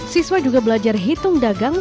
siswa juga belajar hitung dagang